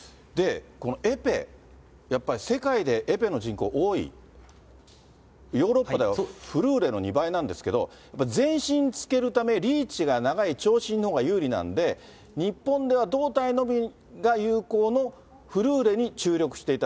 このエペ、世界でエペの人口多い、ヨーロッパではフルーレの２倍なんですけど、全身突けるため、リーチが長い長身のほうが有利なんで、日本では胴体のみが有効のフルーレに注力していた。